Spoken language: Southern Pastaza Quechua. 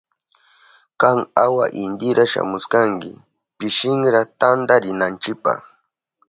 Kan awa intira shamushkanki pishinra tantarinanchipa.